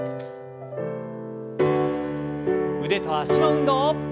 腕と脚の運動。